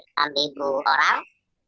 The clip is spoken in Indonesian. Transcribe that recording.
dari seratus orang